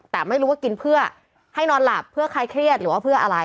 แต่ไม่รู้ว่ากินเพื่อให้นอนหลับเพื่อคลายเครียดหรือว่าเพื่ออะไร